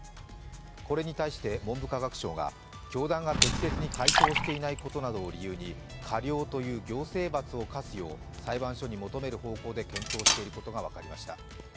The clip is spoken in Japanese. これに対して文部科学省が、教団が適切に回答していないことなどを理由に過料という行政罰を科すよう裁判所に求める方向で検討していることが分かりました。